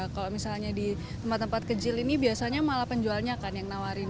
kalau misalnya di tempat tempat kecil ini biasanya malah penjualnya kan yang nawarin